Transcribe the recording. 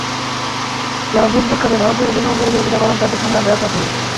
যাঁরা বিদ্যুৎ খাতে ভারতের বিনিয়োগের বিরোধিতা করেন, তাঁদের সঙ্গে আমরা একমত নই।